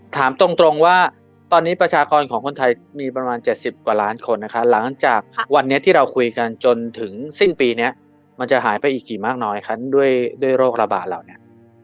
ถามตรงว่าตอนนี้ประชากรของคนไทยมีประมาณ๗๐กว่าล้านคนนะคะหลังจากวันนี้ที่เราคุยกันจนถึงสิ้นปีนี้มันจะหายไปอีกกี่มากน้อยคะด้วยโรคระบาดเหล่านี้